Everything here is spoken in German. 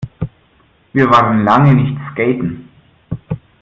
Wir waren lange nicht skaten.